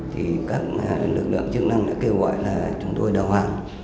thì các lực lượng chức năng đã kêu gọi là chúng tôi đầu hàng